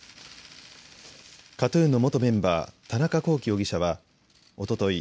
ＫＡＴ−ＴＵＮの元メンバー田中聖容疑者はおととい